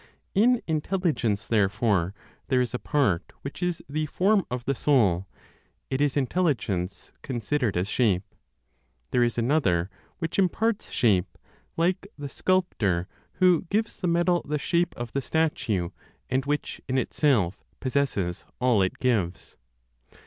In Intelligence, therefore, there is a part which is the form of the soul; it is intelligence considered, as shape. There is another which imparts shape, like the sculptor who gives the metal the shape of the statue, and which in itself possesses all it gives.